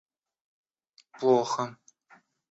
плохо